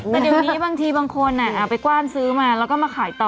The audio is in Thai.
แต่เดี๋ยวนี้บางทีบางคนไปกว้านซื้อมาแล้วก็มาขายต่อ